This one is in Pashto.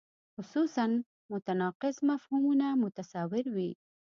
خصوصاً متناقض مفهومونه متصور وي.